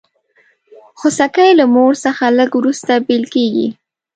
خوسکی له مور څخه لږ وروسته بېل کېږي.